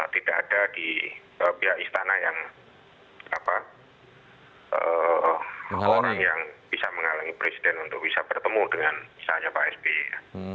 tidak ada di pihak istana yang menghalangi presiden untuk bisa bertemu dengan misalnya pak sby